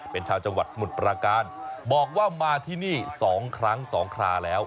เป็นชาวจังหวัดสมุทรปราการบอกว่ามาที่นี่๒ครั้ง๒คราแล้ว